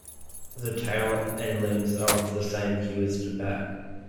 The tail and limbs are of the same hue as the back.